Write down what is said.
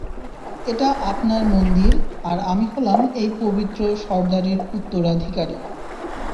এটা আপনার মন্দির, আর আমি হলাম এই পবিত্র সর্দারির উত্তরাধিকারী।